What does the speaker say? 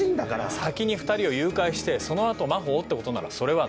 先に２人を誘拐してその後真帆をってことならそれはない。